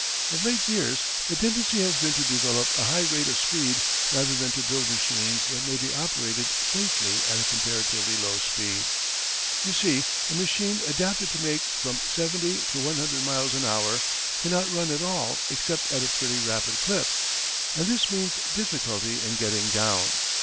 Of late years the tendency has been to develop a high rate of speed rather than to build machines that may be operated safely at a comparatively low speed. You see, a machine adapted to make from seventy to one hundred miles an hour cannot run at all except at a pretty rapid clip, and this means difficulty in getting down.